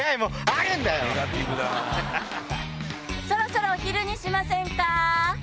そろそろお昼にしませんか。